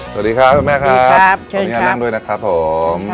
สวัสดีครับขออนุญาตนั่งด้วยนะครับผม